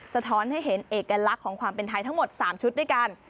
สะท้อนให้เห็นเอกลักษณ์ของความเป็นไทยทั้งหมด๓ชุดด้วยกัน